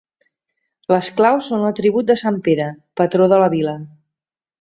Les claus són l'atribut de sant Pere, patró de la vila.